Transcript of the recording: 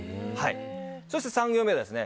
そして３行目ですね